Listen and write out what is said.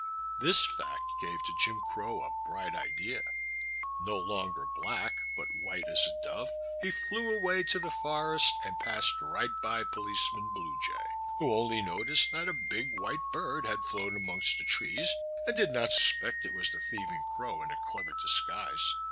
This fact gave to Jim Crow a bright idea. No longer black, but white as a dove, he flew away to the forest and passed right by Policeman Blue Jay, who only noticed that a big white bird had flown amongst the trees, and did not suspect it was the thieving crow in a clever disguise.